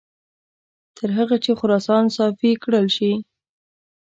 تر هغه چې خراسان صافي کړل شي.